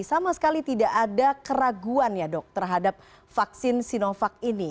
sama sekali tidak ada keraguan ya dok terhadap ini